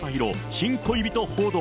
新恋人報道。